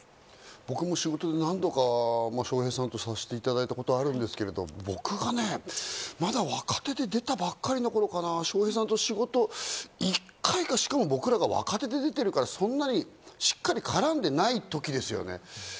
僕も仕事で何度か笑瓶さんとさせていただいたことあるんですけど、僕がね、まだ若手で出たばっかりの頃かな、笑瓶さんと仕事１回か、僕ら、若手で出てるから、しっかり絡んでないときですよね。